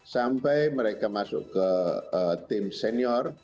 sampai mereka masuk ke tim senior